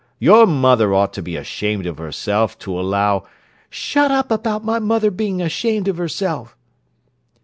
Your mother ought to be ashamed of herself to allow—" "Shut up about my mother bein' ashamed of herself!"